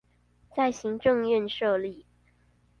在行政院設立